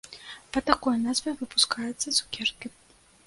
Пад такой назвай выпускаюцца цукеркі.